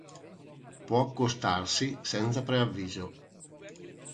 Può accostarsi senza preavviso.